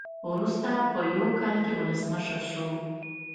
وروسته په یو کال کې ولسمشر شو.